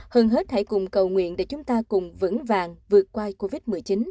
hơn hết hãy cùng cầu nguyện để chúng ta cùng vững vàng vượt qua covid một mươi chín